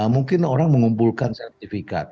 mungkin orang mengumpulkan sertifikat